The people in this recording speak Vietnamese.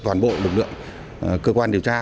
toàn bộ lực lượng cơ quan điều tra